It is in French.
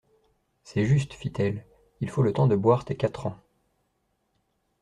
C'est juste, fit-elle, il faut le temps de boire tes quatre ans.